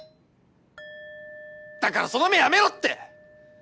だからその目やめろって！